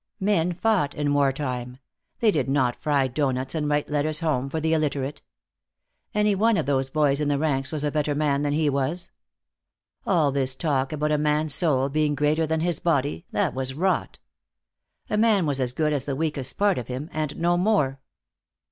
Men fought, in war time. They did not fry doughnuts and write letters home for the illiterate. Any one of those boys in the ranks was a better man than he was. All this talk about a man's soul being greater than his body, that was rot. A man was as good as the weakest part of him, and no more.